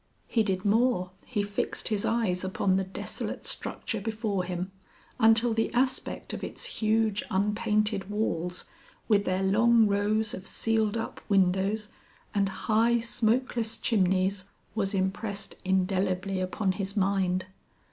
He did more, he fixed his eyes upon the desolate structure before him until the aspect of its huge unpainted walls with their long rows of sealed up windows and high smokeless chimneys was impressed indelibly upon his mind.